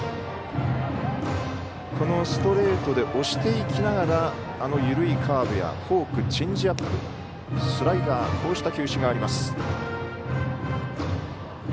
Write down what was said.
このストレートで押していきながら緩いカーブやフォークチェンジアップスライダーこうした球種があります。